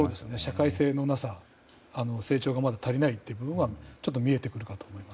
社会性のなさ、成長がまだ足りないという部分は見えてくるかと思います。